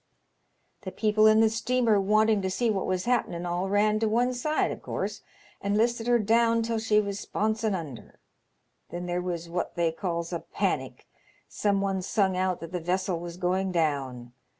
The people in the steamer wanting to see what was happenin* all ran to one side, of course, and listed her down till she was sponson under. Then there was wot they calls a panic. Some one sung out that the vessel was going down.